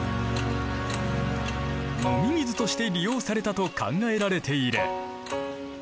飲み水として利用されたと考えられている。